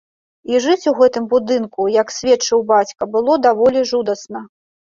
І жыць у гэтым будынку, як сведчыў бацька, было даволі жудасна.